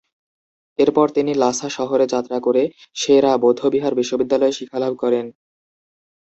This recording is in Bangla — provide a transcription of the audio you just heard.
এরপর তিনি লাসা শহরে যাত্রা করে সে-রা বৌদ্ধবিহার বিশ্ববিদ্যালয়ে শিক্ষালাভ করেন।